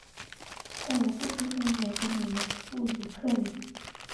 戴维斯出生于美国纽约布鲁克林。